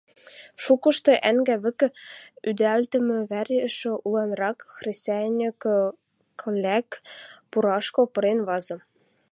шукыжы ӓнгӓ вӹкӹ ӱдӓлтмӹ вӓреш уланрак хресӓньӹк клӓт пурашкы пырен вазы.